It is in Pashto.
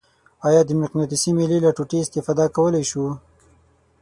آیا د مقناطیسي میلې له ټوټې استفاده کولی شو؟